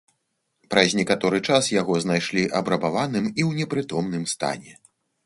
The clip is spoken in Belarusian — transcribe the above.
Праз некаторы час яго знайшлі абрабаваным і ў непрытомным стане.